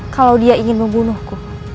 kalau dia ingin membunuhku